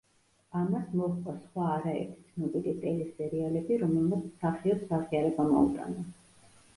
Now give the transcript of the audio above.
ამას მოჰყვა სხვა არაერთი ცნობილი ტელესერიალები, რომელმაც მსახიობს აღიარება მოუტანა.